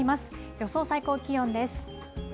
予想最高気温です。